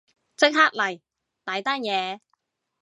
即刻嚟，大單嘢